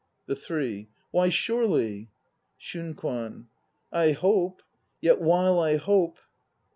THE THREE. Why, surely! SHUNKWAN. I hope; yet while I hope.